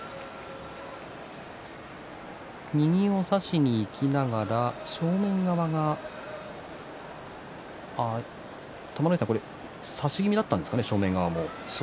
右を差しにいきながら正面側が玉ノ井さん、正面側も差し気味だったんですかね。